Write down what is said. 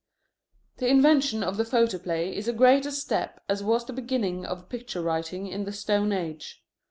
The invention of the photoplay is as great a step as was the beginning of picture writing in the stone age.